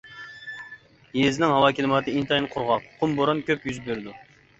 يېزىنىڭ ھاۋا كىلىماتى ئىنتايىن قۇرغاق، قۇم-بوران كۆپ يۈز بېرىدۇ.